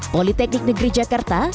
politeknik negeri jakarta